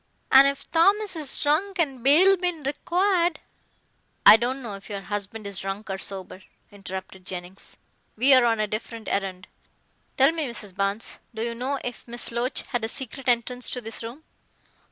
"An' if Thomas is drunk and bail bein' required " "I don't know if your husband is drunk or sober," interrupted Jennings. "We are on a different errand. Tell me, Mrs. Barnes, do you know if Miss Loach had a secret entrance to this room?"